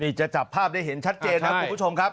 นี่จะจับภาพได้เห็นชัดเจนครับคุณผู้ชมครับ